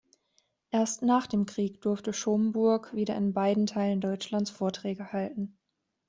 Erst nach dem Krieg durfte Schomburgk wieder in beiden Teilen Deutschlands Vorträge halten.